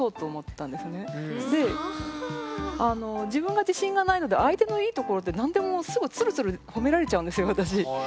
自分が自信がないので相手のいいところって何でもすぐつるつる褒められちゃうんですよ私。